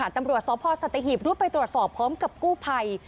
ตำรวจสพสัตหีบรุษไปตรวจสอบพร้อมกับกู้ภัย